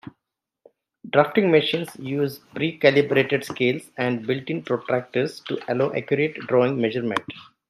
Drafting machines use pre-calibrated scales and built in protractors to allow accurate drawing measurement.